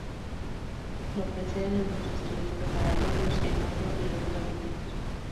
Lo preceden unos estudios preparatorios, un óleo y dos tablillas.